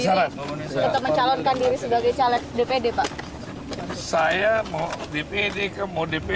berarti pak usman tetap mengajukan diri tetap mencalonkan diri sebagai calon dpd pak